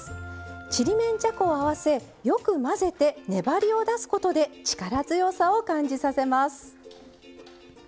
ちりめんじゃこを合わせよく混ぜて粘りを出すことで力強さを感じさせます。